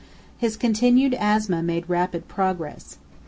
His constitutional asthma made rapid progress.